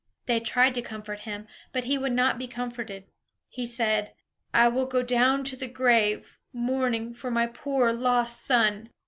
They tried to comfort him, but he would not be comforted. He said: "I will go down to the grave mourning for my poor lost son."